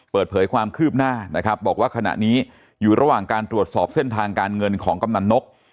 เปิดเผยความคืบหน้านะครับบอกว่าขณะนี้อยู่ระหว่างการตรวจสอบเส้นทางการเงินของกำนันนก